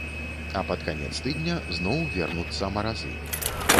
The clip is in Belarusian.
А пад канец тыдня зноў вернуцца маразы.